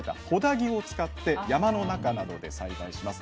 木を使って山の中などで栽培します。